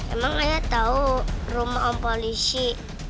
emang ayah tahu rumah om polisi